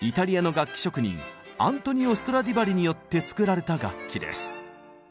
楽器職人アントニオ・ストラディヴァリによって作られた楽器です。